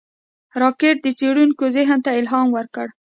راکټ د څېړونکو ذهن ته الهام ورکړ